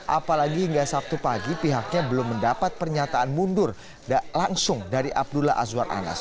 apalagi hingga sabtu pagi pihaknya belum mendapat pernyataan mundur langsung dari abdullah azwar anas